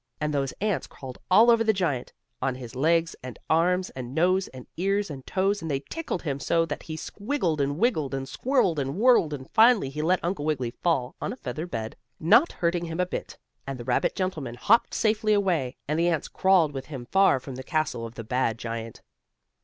And those ants crawled all over the giant, on his legs and arms, and nose and ears and toes, and they tickled him so that he squiggled and wiggled and squirreled and whirled, and finally he let Uncle Wiggily fall on a feather bed, not hurting him a bit, and the rabbit gentleman hopped safely away and the ants crawled with him far from the castle of the bad giant.